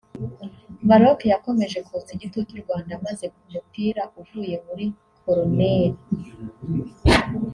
Maroc yakomeje kotsa igitutu u Rwanda maze ku mupira uvuye muri koroneri